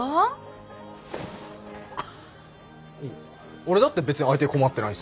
俺だって別に相手に困ってないですよ！